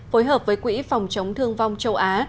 phối hợp với quỹ phòng chống thương vong châu á